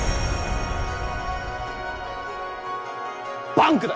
バンクだ。